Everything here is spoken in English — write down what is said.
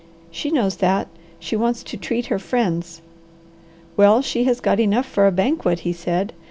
"She knows that. She wants to treat her friends." "Well she has got enough for a banquet," he said.